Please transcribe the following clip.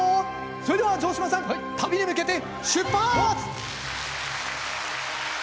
それでは城島さん旅へ向けて出発！